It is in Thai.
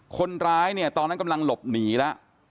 คนร้ายเนี่ยตอนนั้นกำลังหลบหนีแล้ว